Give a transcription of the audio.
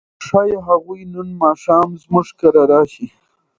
ښايي هغوی نن ماښام زموږ کره راشي.